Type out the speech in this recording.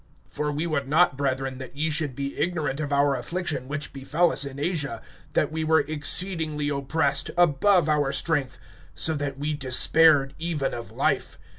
(8)For we would not, brethren, that ye should be ignorant of our affliction which befell us in Asia, that we were exceedingly oppressed, above our strength, so that we despaired even of life.